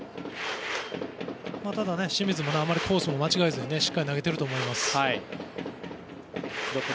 ただ、清水もあまりコースを間違えずしっかり投げていると思います。